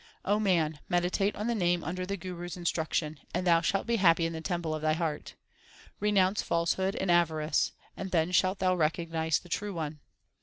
man, meditate on the Name under the Guru s instruc tion, and thou shalt be happy in the temple of thy heart. Renounce falsehood and avarice ; and then shalt thou recognize the True One.